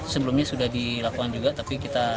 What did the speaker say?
sebelumnya sudah dilakukan juga tapi kita